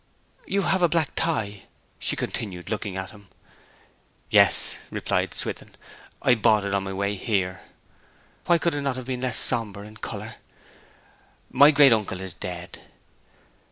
'You have a black tie,' she continued, looking at him. 'Yes,' replied Swithin. 'I bought it on my way here.' 'Why could it not have been less sombre in colour?' 'My great uncle is dead.'